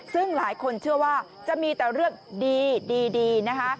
ซึ่งหลายคนเชื่อว่าจะมีแต่เรื่องดีดีนะคะ